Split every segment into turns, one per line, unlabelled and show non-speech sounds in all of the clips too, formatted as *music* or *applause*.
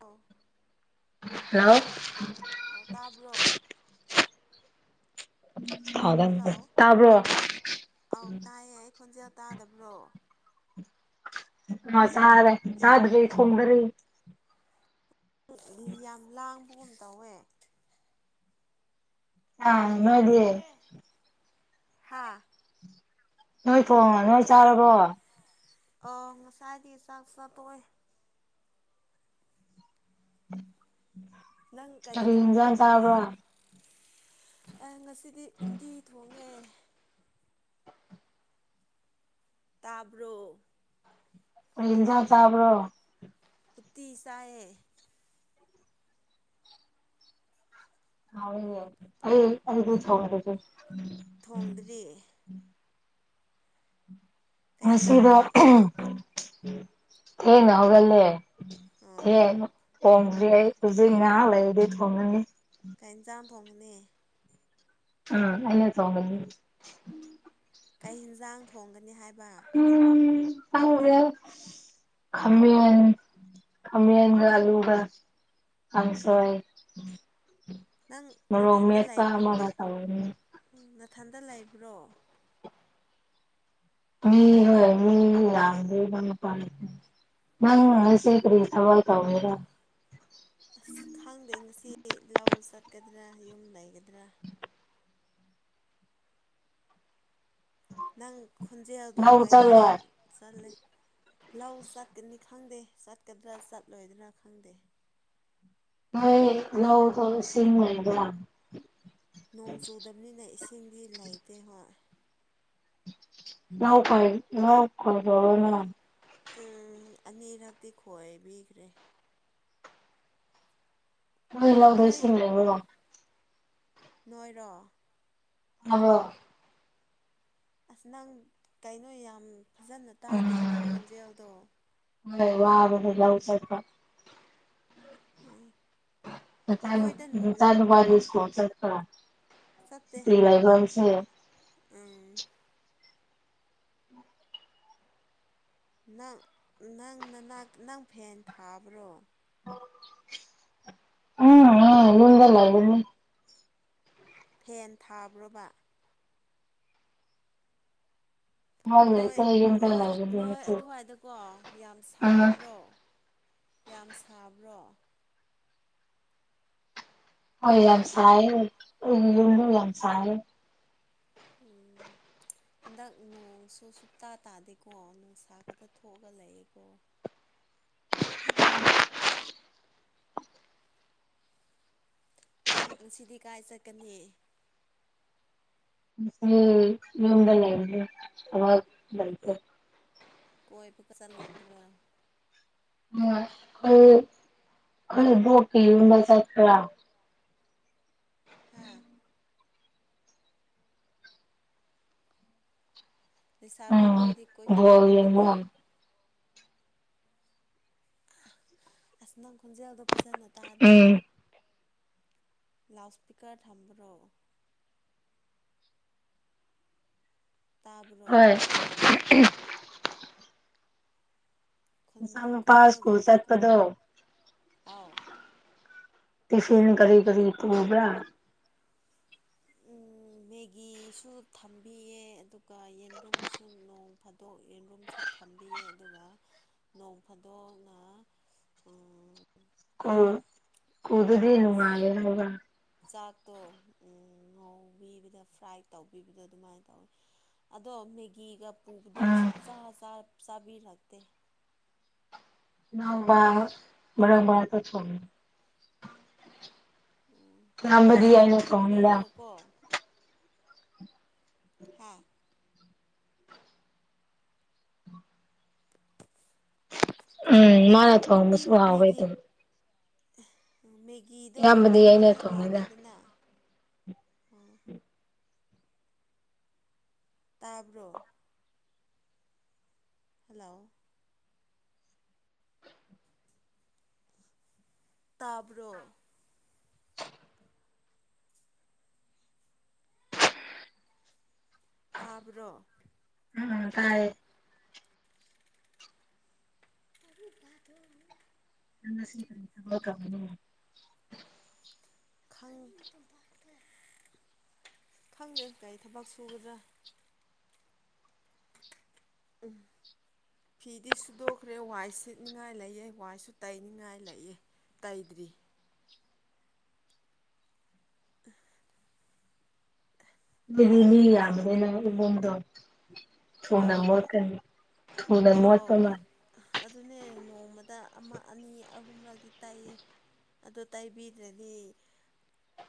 ꯑꯣ
ꯍꯜꯂꯣ
ꯑ ꯇꯥꯕ꯭ꯔꯣ
ꯍ
ꯍꯜꯂꯣ
ꯇꯥꯕ꯭ꯔꯣ
ꯑꯧ ꯇꯥꯏꯌꯦ ꯑꯩ ꯈꯣꯟꯖꯦꯜ ꯇꯥꯗꯕ꯭ꯔꯣ
ꯑ ꯇꯥꯔꯦ ꯆꯥꯗꯔꯤ ꯊꯣꯡꯗꯔꯤ
ꯑꯗꯨ ꯃꯤ ꯌꯥꯝ ꯂꯥꯡꯕꯒꯨꯝ ꯇꯧꯋꯦ
ꯑꯥ ꯅꯣꯏꯗꯤ
ꯍꯥꯥ
ꯅꯣꯏ ꯊꯣꯡꯉꯕꯣ ꯅꯣꯏ ꯆꯥꯔꯕꯣ
ꯑ ꯉꯁꯥꯏꯗꯤ ꯆꯥꯛ ꯆꯥꯊꯣꯛꯑꯦ
ꯎꯝ
ꯅꯪ ꯀꯩ ꯌꯦꯟꯁꯥꯡ ꯊꯣꯡꯉꯒꯦ ꯑ ꯉꯁꯤ ꯗꯤ ꯎꯠꯇꯤ ꯊꯣꯡꯉꯦ ꯇꯥꯕ꯭ꯔꯣ
ꯀꯩ ꯏꯟꯁꯥꯡ ꯆꯥꯕ꯭ꯔꯣ
ꯎꯠꯇꯤ ꯆꯥꯏꯌꯦ
ꯍꯥꯎꯋꯤꯅꯦ ꯑꯩꯗꯤ ꯊꯣꯡꯗꯔ꯭ꯤ
ꯊꯣꯡꯗ꯭ꯔꯤ ꯀꯩ ꯌꯦꯟꯁꯥꯡ
ꯉꯁꯤꯗꯣ
ꯊꯣꯡ
ꯊꯦꯡꯅ ꯍꯧꯒꯠꯂꯦ ꯍꯦ
ꯑꯣ
ꯍꯣꯡꯈ꯭ꯔꯤ ꯑꯩ ꯍꯧꯁꯨ ꯉꯥ ꯂꯩ ꯑꯗꯨ ꯊꯣꯡꯅꯤ
ꯀꯩ ꯏꯟꯁꯥꯡ ꯊꯣꯡꯉꯅꯤ
ꯑ ꯑꯩꯅ ꯊꯣꯡꯒꯅꯤ
ꯀꯩ ꯏꯟꯖꯥꯡ ꯊꯣꯡꯒꯅꯤ ꯍꯥꯏꯕ
ꯎꯝ ꯈꯪꯗꯔꯦ ꯈꯥꯃꯦꯟ ꯈꯥꯃꯦꯟꯒ ꯑꯂꯨꯒ ꯀꯥꯡꯁꯣꯏ
ꯅꯪ
ꯃꯣꯔꯣꯛ
ꯅꯊꯟꯗ
ꯃꯦꯠꯄ ꯑꯃꯒ ꯇꯧꯅꯤ
ꯅꯊꯟꯇ ꯂꯩꯕ꯭ꯔꯣ
ꯃꯤ *unintelligible* ꯅꯪ ꯑꯁꯦꯡꯒꯤ ꯁꯋꯥꯜ ꯀꯥ ꯑꯣꯏꯅꯤꯡꯗ
ꯑꯁ ꯈꯪꯗꯦ ꯉꯁꯤ ꯂꯧ ꯆꯠꯀꯗ꯭ꯔꯥ ꯌꯨꯝ ꯂꯩꯒꯗ꯭ꯔꯥ ꯅꯪ ꯈꯣꯟꯖꯦꯜꯗꯣ
ꯂꯧ
ꯀꯩꯅꯣ
ꯆꯠꯂꯣꯏ
ꯌꯥꯝ ꯆꯜꯂꯦ ꯂꯧ ꯆꯠꯀꯅꯤ ꯈꯪꯗꯦ ꯆꯠꯀꯗ꯭ꯔꯥ ꯆꯠꯂꯣꯏꯗ꯭ꯔꯥ ꯈꯪꯗꯦ
ꯅꯣꯏ ꯅꯧ ꯁꯤꯁꯤꯡꯗ
ꯅꯣꯡ ꯆꯨꯗꯕꯅꯤꯅ ꯏꯁꯤꯡꯗꯤ ꯂꯩꯇꯦ ꯍꯣꯏ
ꯂꯎ ꯐꯥꯏ ꯂ ꯈꯣꯅ
ꯎꯝ ꯑꯅꯤꯔꯛꯇꯤ ꯈꯣꯏꯕꯤꯈ꯭ꯔꯦ
ꯂ
ꯅꯣꯏ
ꯁ ꯂꯩꯦ
ꯅꯣꯏꯔꯣ
ꯑꯕꯣ
ꯑꯁ ꯅꯪ ꯀꯩꯅꯣ ꯌꯥꯝ ꯐꯖꯅ ꯇꯥꯗꯦ ꯅꯪ ꯈꯣꯟꯖꯦꯜꯗꯣ
ꯍ ꯋꯥꯕꯔ ꯂꯎ ꯄꯔ
ꯎꯝ ꯅꯣꯏꯗ ꯎꯝ
ꯊꯕ
ꯎꯝ
ꯏꯁꯀꯣ ꯆꯄꯔ ꯇꯤꯂꯥꯏꯒꯁꯦ
ꯑꯝ ꯅꯪ ꯅꯪ ꯅ ꯅꯪ ꯐꯦꯟ ꯊꯥꯕ꯭ꯔꯣ
*inaudible* ꯎꯝ ꯏ ꯂꯗꯂ *unintelligible*
ꯐꯦꯟ ꯊꯥꯕ꯭ꯔꯕ
ꯃꯥ
ꯅꯣꯏ
ꯂꯩꯇꯦ ꯌꯨꯝꯗ
ꯅꯣꯏ
ꯂꯩꯒꯅꯤ
ꯅꯣꯏ
ꯉꯁꯤ
ꯑꯗꯨꯋꯥꯏꯗꯀꯣ ꯌꯥꯝ
ꯎꯝ
ꯁꯥꯕ꯭ꯔꯣ ꯌꯥꯝ ꯁꯥꯕ꯭ꯔꯣ
ꯑꯣ ꯂꯝꯝꯁꯥꯏ ꯌ
ꯎꯝ
ꯌꯥꯝꯁꯥꯏ
ꯎꯝ ꯍꯟꯗꯛ ꯅꯣꯡꯁꯨ ꯁꯨꯇꯥ ꯇꯥꯗꯦꯀꯣ ꯅꯨꯡꯁꯥ ꯈꯛꯇ ꯊꯣꯛꯑꯒ ꯂꯩꯌꯦꯦꯀꯣ *inaudible* ꯅꯪ ꯉꯁꯤꯗꯤ ꯀꯥꯏ ꯆꯠꯀꯅꯤ
ꯌꯗ ꯂꯩ ꯑꯋꯥ
ꯀꯣꯏꯕ ꯀ ꯆꯜꯂꯣꯏꯗ꯭ꯔꯣ
ꯎ ꯑꯩ ꯀ ꯣꯛꯀꯤꯕ ꯆꯠꯄ
ꯍꯥ
ꯎꯝ ꯎꯝ
ꯂꯩꯁꯥꯕꯤꯈꯣꯏꯗꯤ
ꯕꯣꯜ
ꯀꯣꯏꯊꯣꯛꯑꯣꯗꯅ
ꯌꯦꯡꯕ
ꯑꯁ ꯅꯪ ꯈꯣꯟꯖꯦꯜꯗꯣ ꯐꯖꯅ ꯇꯥꯗꯦ
ꯎꯝ
ꯂꯥꯎꯠ ꯏꯁꯄꯤꯀꯔ ꯊꯝ꯭ꯔꯣ ꯇꯥꯕ꯭ꯔꯣ
ꯍꯣꯏ
ꯅꯪ
ꯄꯥꯥꯎ
ꯈꯣꯟꯖꯦꯜꯗꯣ
ꯁꯀꯨꯜ ꯆꯠꯄꯗꯣ
ꯑꯥꯎ
ꯇꯤꯐꯤꯟ ꯀꯔꯤ ꯀꯔꯤ ꯇꯕ꯭ꯔ
ꯎꯝ ꯃꯦꯒꯤꯁꯨ ꯊꯝꯕꯤꯌꯦ ꯑꯗꯨꯒ ꯌꯦꯟꯔꯨꯝꯁꯨ ꯅꯣꯡ ꯐꯥꯗꯣꯛ ꯌꯦꯟꯔꯨꯝꯁꯨ ꯊꯝꯕꯤꯌꯦ ꯑꯗꯨꯒ ꯅꯣꯡ ꯐꯥꯗꯣꯛꯅ
ꯈꯨꯗꯗꯤꯅꯅꯨꯡ ꯃꯥꯂꯕ
ꯆꯥꯛꯇꯣ ꯉꯧꯕꯤꯕꯗ ꯐ꯭ꯔꯥꯏ ꯇꯧꯕꯤꯕꯗꯣ ꯑꯗꯨꯃꯥꯏꯅ ꯇꯧꯋꯤ ꯑꯗꯣ ꯃꯦꯒꯤꯒ ꯄꯨꯕꯗꯣ ꯁꯆꯥ ꯆꯥꯕꯤꯔꯛꯇꯦ *inaudible*
ꯑ ꯃꯔ ꯃꯥ ꯊ
ꯎꯝ
ꯆꯝꯕꯗꯤ ꯑꯩꯅ ꯇꯣꯉꯂ
ꯊꯣꯡꯕꯤꯔꯒꯀꯣ ꯍꯥ
ꯎꯝ ꯃꯥꯅ ꯊꯃꯁꯨ
ꯏꯪ ꯃꯦꯒꯤ
ꯑꯣꯏꯣꯏꯗ
ꯃꯦꯒꯤꯗꯣ
ꯑꯩꯅ
ꯏꯪꯗꯗꯤ
ꯊꯣꯡꯉꯦꯗ
ꯍꯥꯎꯗꯦꯗꯅ ꯑꯣ ꯇꯥꯕ꯭ꯔꯣ ꯍꯜꯂꯣ ꯇꯥꯕ꯭ꯔꯣ ꯇꯥꯕ꯭ꯔꯣ
ꯑꯝ ꯇꯥꯏꯦ
ꯑ
ꯅꯅ ꯁꯤ ꯀ ꯊ ꯇꯃ
ꯈꯪ ꯈꯪꯗꯦ ꯒꯥꯔꯤ ꯊꯕꯛ ꯁꯨꯒꯗ꯭ꯔꯥ ꯎꯝ ꯐꯤꯗꯤ ꯁꯨꯗꯣꯛꯈ꯭ꯔꯦ ꯋꯥꯏ ꯁꯤꯠꯅꯤꯡꯉꯥꯏ ꯂꯩꯑꯦ ꯋꯥꯏꯁꯨ ꯇꯩꯅꯤꯡꯉꯥꯏ ꯂꯩꯑꯦ ꯇꯥꯏꯗ꯭ꯔꯤ
ꯑꯗꯨꯗꯤ ꯃꯤ ꯌꯥꯕꯅꯤꯅ ꯏꯕꯣꯝꯗꯣ
ꯑꯥꯎ ꯑꯥꯎ
ꯃꯣꯠꯄ ꯃꯥꯜꯂꯦ
ꯑꯗꯨꯅꯦ ꯅꯣꯡ ꯣꯡ ꯑꯃ ꯑꯅꯤ ꯑꯍꯨꯝꯂꯛꯇꯤ ꯇꯥꯏꯌꯦ ꯑꯗꯨ ꯇꯥꯏꯕꯤꯗ꯭ꯔꯗꯤ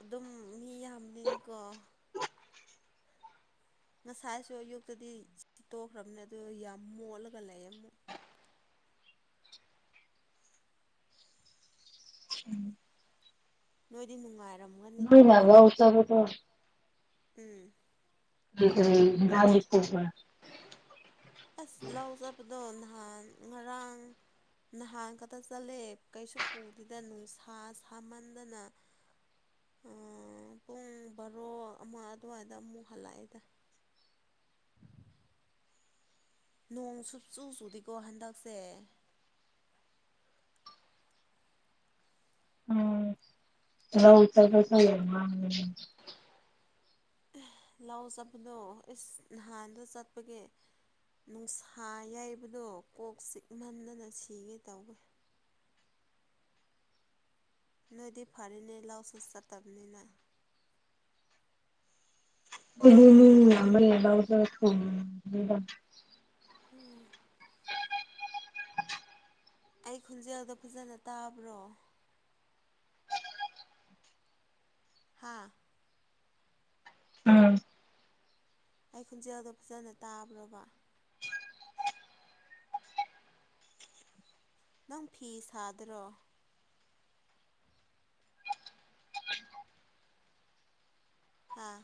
ꯑꯗꯨꯝ ꯃꯤ ꯌꯥꯝꯅꯤꯅꯀꯣ ꯉꯁꯥꯏꯁꯨ ꯑꯌꯨꯛꯇꯗꯤ ꯁꯤꯠꯇꯣꯛꯈ꯭ꯔꯕꯅꯦ ꯑꯗꯨ ꯌꯥꯝ ꯃꯣꯠꯂꯒ ꯂꯩ ꯑꯃꯨꯛ ꯅꯣꯏꯗꯤ ꯅꯨꯡꯉꯥꯏꯔꯝꯃ
ꯅ ꯅ ꯉꯥꯎ ꯆꯒ ꯇ
ꯎꯝ
ꯗ ꯂꯥꯂꯤ ꯄꯣꯄ
ꯗ ꯅꯍꯥꯟ ꯉꯔꯥꯡ ꯅꯍꯥꯟ ꯈꯛꯇ ꯆꯠꯂꯦ ꯀꯩꯁꯨ ꯄꯨꯗ꯭ꯗ ꯅꯨꯡꯁꯥ ꯁꯥꯃꯟꯗꯅ ꯄꯨꯡ ꯕꯥꯔꯣ ꯑꯃ ꯑꯗꯨꯋꯥꯏꯗ ꯑꯃꯨꯛ ꯍꯜꯂꯛꯑꯦꯗ *unintelligible* ꯅꯣꯡ ꯁꯨꯞ ꯆꯨ ꯆꯨꯗꯤꯀꯣ ꯍꯟꯗꯛꯁꯦ
ꯍ ꯎ ꯆꯔꯗ ꯆ
ꯂꯧ ꯆꯠꯄꯗꯣ ꯏꯁꯁ ꯅꯍꯥꯟꯗ ꯆꯠꯄꯒꯤꯦ ꯅꯨꯡꯁꯥ ꯌꯥꯏꯕꯗꯣ ꯀꯣꯛ ꯆꯤꯛꯍꯟꯗꯅ ꯁꯤꯒꯦ ꯇꯧꯋꯦ ꯅꯣꯏꯗꯤ ꯐꯔꯤꯅꯦ ꯂꯥꯎꯁꯨ ꯆꯠꯇꯕꯅꯤꯅ
ꯎ ꯂꯝꯕꯂꯦꯗ
ꯎꯝ ꯑꯩ ꯈꯣꯟꯖꯦꯜꯗ ꯐꯖꯅ ꯇꯥꯕ꯭ꯔꯣ ꯍꯥꯥ
ꯎꯝ
ꯑꯩ ꯈꯣꯟꯖꯦꯜꯗꯣ ꯐꯖꯅ ꯇꯥꯕ꯭ꯔꯕ ꯅꯪ ꯐꯤ ꯁꯥꯗ꯭ꯔꯣ ꯍꯥꯥ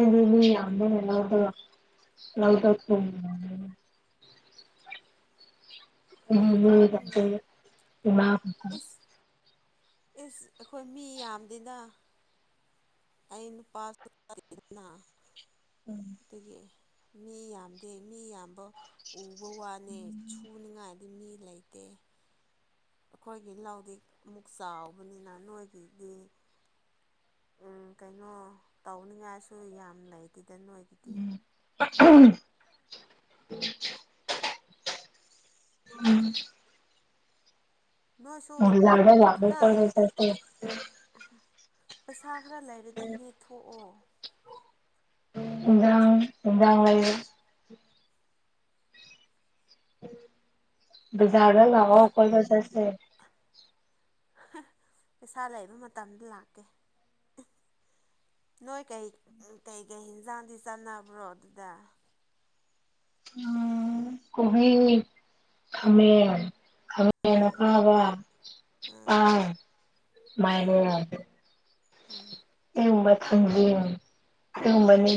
ꯎꯝ ꯌꯥꯝꯗꯗ ꯇ
*unintelligible*
ꯎꯗ
ꯎꯝ ꯏꯁ ꯏꯁ ꯑꯩꯈꯣꯏ ꯃꯤ ꯌꯥꯝꯗꯅ ꯑꯩꯅ ꯄꯥꯁꯅꯥ ꯑꯗꯒꯤ ꯃꯤ ꯌꯥꯝꯗꯦ ꯃꯤ ꯌꯥꯝꯕ ꯎꯕ ꯋꯥꯅꯤ ꯁꯨꯅꯤꯉꯥꯏ ꯗꯤ ꯃꯤ ꯂꯩꯇꯦ ꯑꯩꯈꯣꯏꯒꯤꯜ ꯂꯥꯎꯗꯤ ꯑꯃꯨꯛ ꯆꯥꯎꯕꯅꯤꯅ ꯅꯣꯏꯒꯤꯗꯤ ꯎꯝ ꯀꯩꯅꯣ ꯇꯧꯅꯤꯡꯉꯥꯏꯁꯨ ꯌꯥꯝ ꯂꯩꯗꯗ ꯅꯣꯏꯒꯤꯗꯤ
ꯎ ꯎꯝ
ꯅꯣꯏꯁꯨ
ꯂꯗ ꯂꯕ ꯄ
ꯈꯔ
ꯇꯔ
ꯁꯥ ꯈꯔ ꯂꯩꯔꯗꯤ ꯅꯦꯛꯊꯣꯛꯑꯣ
ꯏ ꯏꯉ ꯖꯥꯗ ꯂꯋꯥ ꯑꯣ
ꯅꯣꯏ
ꯀꯣꯏꯗ ꯆꯁ
ꯄꯩꯁꯥ ꯂꯩꯕ ꯃꯇꯝꯗ ꯂꯥꯛꯀꯦ ꯅꯣꯏ ꯀꯩ ꯀꯩꯀꯩ ꯏꯟꯖꯥꯡꯗꯤ ꯆꯥꯟꯅꯕ꯭ꯔꯣ ꯑꯗꯨꯗ
ꯎꯝ ꯀꯣꯏ ꯍꯃꯦ
ꯎꯝ
ꯈꯅꯈꯕ ꯑ
ꯎꯝ
ꯃꯥꯏꯅꯦ
ꯑꯥ ꯑꯥ
ꯍꯪ
ꯑꯥ
ꯎꯝꯕꯅꯤ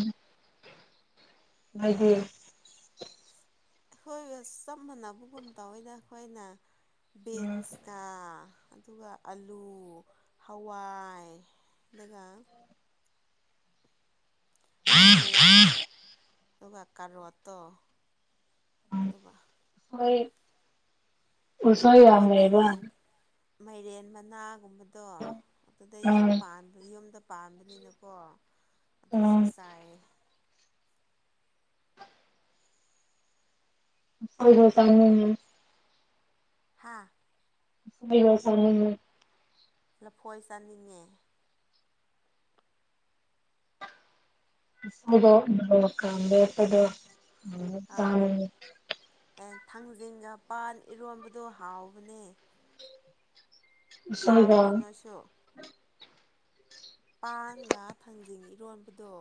ꯒꯤꯗꯤ
ꯑꯩꯈꯣꯏꯒ ꯆꯞ ꯃꯥꯟꯅꯕꯒꯨꯝ ꯇꯋꯏꯅ ꯑꯩꯈꯣꯏꯅ
ꯎꯝ
ꯕꯤꯟꯁꯀ ꯑꯗꯨꯒ ꯑꯂꯨ ꯍꯋꯥꯏ ꯑꯗꯨꯒ ꯈꯥꯃꯦꯟ ꯑꯗꯨꯒ ꯀꯔꯣꯠꯇꯣ ꯑꯗꯨꯒ
ꯍ ꯍꯣꯏ ꯄꯁꯣꯏ
ꯑꯗꯨꯒ
ꯌꯥꯝꯃꯦꯕ
ꯃꯥꯏꯔꯦꯟ ꯃꯥꯏꯔꯦꯟ ꯃꯅꯥꯒꯨꯝꯕꯗꯣ ꯑꯗꯨꯗ ꯌꯨꯝ
ꯎꯝ
ꯄꯥꯟꯕ ꯌꯨꯝꯗ ꯄꯥꯟꯕꯅꯤꯅꯀꯣ ꯑꯗꯨꯁꯨ
ꯎꯝ
ꯆꯥꯏꯌꯦ
ꯗꯣ ꯆꯥꯡꯒꯣ
ꯍꯥꯥ
ꯐꯒꯁꯅꯤ
ꯂꯐꯣꯏ ꯆꯥꯅꯤꯡꯉꯦ
ꯗꯣ ꯀꯝꯕꯦꯗꯣ ꯑ ꯇꯥ
ꯑꯥ ꯑꯦ ꯊꯥꯡꯖꯤꯡꯒ ꯄꯥꯟ ꯏꯔꯣꯟꯝꯕꯗꯨ ꯍꯥꯎꯕꯅꯦ
ꯎꯁꯣꯏꯒ
ꯆꯥꯕ꯭ꯔꯣ ꯅꯣꯏꯁꯨ ꯄꯥꯟꯒ ꯊꯥꯡꯖꯤꯡ ꯏꯔꯣꯟꯕꯗꯣ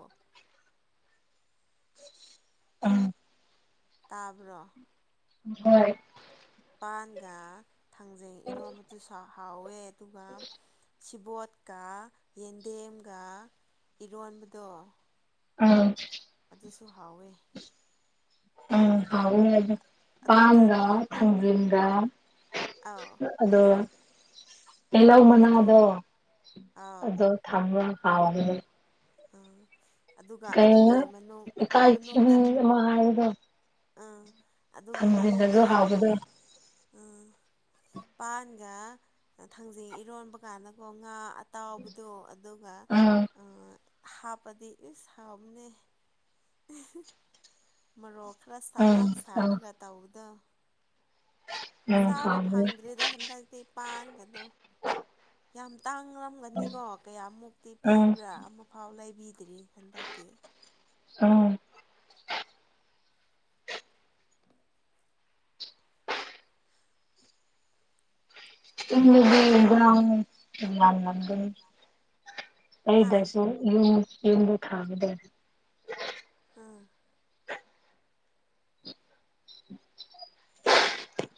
ꯑꯥ
ꯇꯥꯕ꯭ꯔꯣ
ꯍꯣꯏ
ꯅꯤꯄꯥꯟꯒ ꯊꯥꯡꯖꯩ ꯏꯔꯣꯝꯕꯗꯨꯁꯨ ꯍꯥꯎꯋꯦ ꯑꯗꯨꯒ ꯕꯣꯠꯀ ꯌꯦꯟꯗꯦꯝꯒ ꯏꯔꯣꯟꯕꯗꯣ
ꯑ
ꯑꯗꯨꯁꯨ ꯍꯥꯎꯋꯦ
ꯎꯝ ꯐ
ꯑꯗꯨꯗ
ꯄꯒ ꯊꯖꯤꯒ
ꯑꯥꯎ
ꯑꯗꯣ ꯍꯂꯧ
ꯎꯝ ꯑꯗꯨ
ꯃꯅꯥꯗꯣ
ꯑꯥꯎ
ꯑꯗꯣ ꯊꯥꯡ ꯍꯥꯎꯒꯅꯦ
ꯎꯝ ꯑꯗꯨꯒ
ꯀꯩ
ꯑꯗꯨꯒꯤ ꯃꯅꯨꯡ
ꯀꯜ
ꯃꯅꯨꯡꯗ
ꯃꯥꯗ
ꯑꯥ ꯑꯗꯨꯒꯤ
ꯊꯝꯕꯤꯗꯁꯨ
ꯃꯅꯨꯡꯗ
ꯍꯥꯎꯕꯗꯣ
ꯑꯥ ꯄꯥꯟꯒ ꯊꯥꯡꯖꯤꯡ ꯏꯔꯣꯟꯕ ꯀꯥꯟꯗꯀꯣ ꯉꯥ ꯑꯇꯥꯎꯕꯗꯣ ꯑꯗꯨꯒ
ꯎꯝ
ꯍꯥꯞꯄꯗꯤ ꯏꯁ ꯍꯥꯎꯕꯅꯦ ꯃꯔꯣꯔꯣꯛ ꯈꯔ
ꯎꯝ
ꯁꯠꯇꯛ
ꯑꯥ
ꯁꯥꯔꯒ ꯇꯧꯕꯗꯣ
ꯎꯝ
ꯆꯥꯕ
ꯍꯥꯎꯕꯅꯦ
ꯐꯪꯗ꯭ꯔꯤꯗ ꯍꯟꯗꯛꯇꯤ ꯄꯥꯟꯕꯗꯣ ꯌꯥꯝ ꯇꯥꯡꯔꯝꯒꯅꯤꯀꯣ ꯀꯌꯥꯃꯨꯛꯇꯤ
ꯎꯝ
ꯄꯤꯕ꯭ꯔꯥ ꯑꯃꯐꯥꯎ ꯂꯩꯕꯤ ꯈꯗꯔꯤ ꯍꯟꯗꯛꯀꯤ
ꯑꯥ ꯗꯌꯥꯗ
ꯍꯥ
ꯑꯩꯗꯁꯦ ꯌ ꯌꯗ ꯊꯥꯒꯗ
ꯎꯝ
*unintelligible*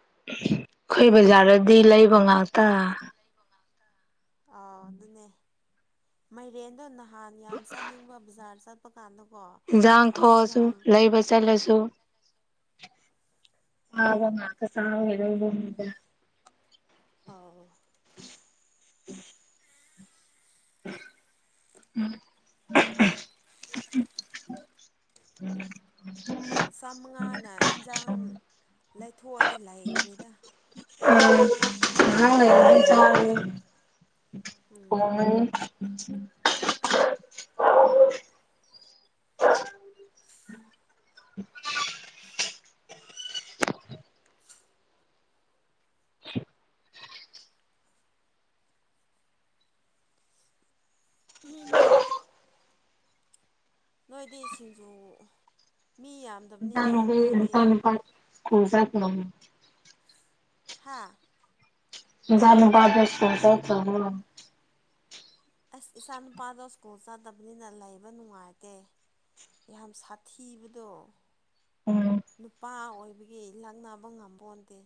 ꯑꯩꯈꯣꯏ ꯕꯖꯥꯔꯗꯗꯤ ꯂꯩꯕ ꯉꯥꯛꯇ
ꯑꯥꯎ
ꯎꯝ
ꯑꯗꯨꯅꯦ ꯃꯥꯏꯔꯦꯟꯗꯣ ꯅꯍꯥꯟ ꯌꯥꯝ ꯆꯥꯅꯤꯡꯕ ꯕꯖꯥꯔ ꯆꯠꯄ ꯀꯥꯟꯗꯣ꯫
ꯍꯤꯟꯖꯥꯡ ꯊꯣꯛꯑꯁꯨ ꯂꯩꯕ ꯆꯠꯂꯁꯨ *unintelligible*
ꯑ
*inaudible* ꯎ
ꯆꯥꯃꯉꯥꯅ ꯍꯤꯟꯖꯥꯡ ꯂꯩꯊꯣꯛꯑꯗꯤ ꯂꯩꯇ꯭ꯔꯦꯗ
ꯎꯝ ꯉꯥꯍꯥꯛ ꯂꯩꯔꯗꯤ
ꯀꯥꯏꯊꯣꯛꯑꯗꯤꯀꯣ
ꯆꯥꯔꯅꯤ
ꯎꯝ
ꯊꯣꯡꯉꯅꯤ ꯎ
ꯎꯝꯝ ꯅꯣꯏꯗꯤ ꯁꯤꯡꯖꯨ ꯃꯤ ꯌꯥꯝ
*unintelligible*
ꯍꯥꯥ
ꯅꯆꯥꯅꯨꯄꯗꯣ ꯁ꯭ꯀꯨꯜ ꯆꯠꯇ꯭ꯔꯕꯣ
ꯑꯁ ꯏꯆꯥ ꯅꯨꯄꯥꯗꯣ ꯁ꯭ꯀꯨꯜ ꯆꯠꯇꯕꯅꯤꯅ ꯂꯩꯕ ꯅꯨꯡꯉꯥꯏꯇꯦ ꯌꯥꯝ ꯁꯥꯊꯤꯕꯗꯣ
ꯎꯝ
ꯅꯨꯄꯥ ꯑꯣꯏꯕꯒꯤ ꯂꯛꯅꯕ ꯉꯝꯄꯣꯟꯇꯦ